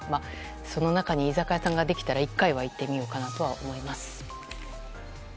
その中に居酒屋さんができたら１回は行ってみようかなと思います。